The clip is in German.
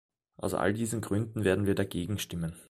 Aus all diesen Gründen werden wir dagegen stimmen.